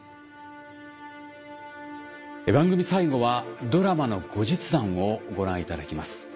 番組最後はドラマの後日談をご覧いただきます。